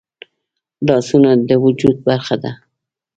لاسونه د وجود برخه ده